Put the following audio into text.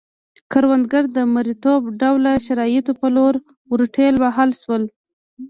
کروندګر د مریتوب ډوله شرایطو په لور ورټېل وهل شول